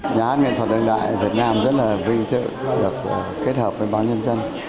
nhà án nghệ thuật đặc biệt việt nam rất là vinh dự được kết hợp với báo nhân dân